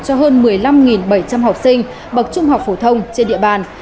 cho hơn một mươi năm bảy trăm linh học sinh bậc trung học phổ thông trên địa bàn